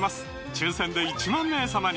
抽選で１万名様に！